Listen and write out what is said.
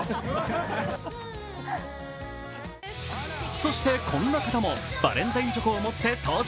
そして、こんな方もバレンタインチョコを持って登場。